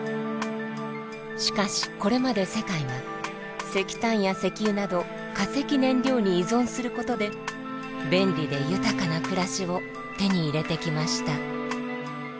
しかしこれまで世界は石炭や石油など化石燃料に依存することで便利で豊かな暮らしを手に入れてきました。